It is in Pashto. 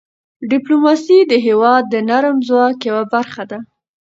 ډيپلوماسي د هېواد د نرم ځواک یوه برخه ده.